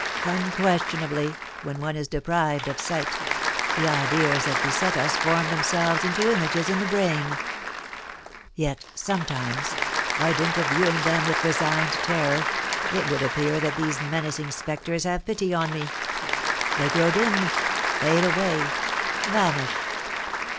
Unquestionably, when one is deprived of sight, the ideas that beset us form themselves into images in the brain. Yet sometimes, by dint of viewing them with resigned terror, it would appear that these menacing spectres have pity on me, they grow dim fade away vanish.